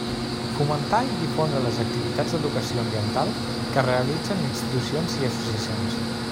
Fomentar i difondre les activitats d'educació ambiental que realitzen institucions i associacions.